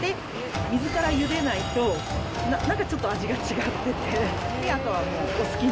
水からゆでないと、なんかちょっと味が違ってて、あとはお好きに。